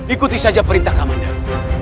ikuti saja perintah kaman dan